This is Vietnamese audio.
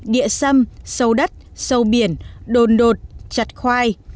địa sâm sâu đất sâu biển đồn đột chặt khoai